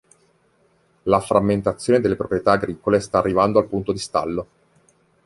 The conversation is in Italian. La frammentazione delle proprietà agricole sta arrivando al punto di stallo.